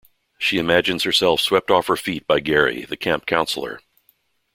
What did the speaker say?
She imagines herself swept off her feet by Gary, the camp counselor.